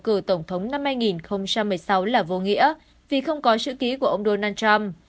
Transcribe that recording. cử tổng thống năm hai nghìn một mươi sáu là vô nghĩa vì không có chữ ký của ông donald trump